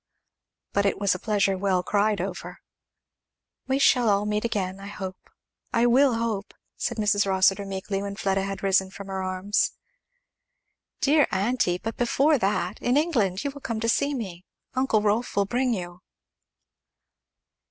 But it was a pleasure well cried over. "We shall all meet again, I hope, I will hope, " said Mrs. Rossitur meekly when Fleda had risen from her arms; "Dear aunty! but before that in England you will come to see me Uncle Rolf will bring you."